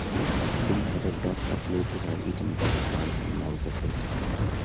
Pink-headed ducks are believed to have eaten water plants and molluscs.